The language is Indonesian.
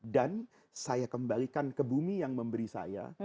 dan saya kembalikan ke bumi yang memberi saya